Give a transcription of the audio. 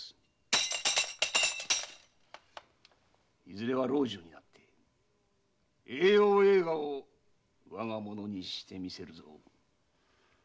いずれは老中になって栄耀栄華を我がものにしてみせるぞ。